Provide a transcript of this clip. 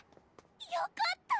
よかった！